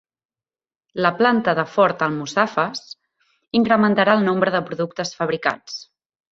La Planta de Ford Almussafes incrementarà el nombre de productes fabricats